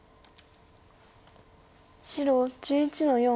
白１１の四。